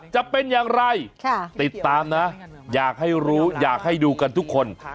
จะเป็นอย่างไรติดตามนะอยากให้รู้อยากให้ดูกันทุกคน